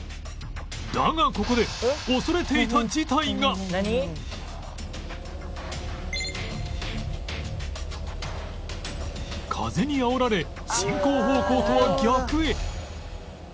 だがここで「何？」風にあおられ進行方向とは逆へ